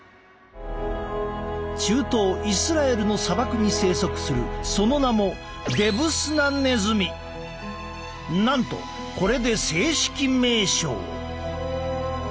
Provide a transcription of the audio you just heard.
中東イスラエルの砂漠に生息するその名もなんとこれで正式名称。